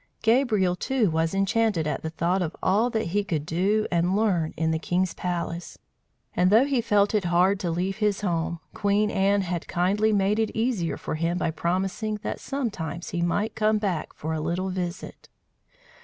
Gabriel, too, was enchanted at the thought of all that he could do and learn in the king's palace; and though he felt it hard to leave his home, Queen Anne had kindly made it easier for him by promising that sometimes he might come back for a little visit.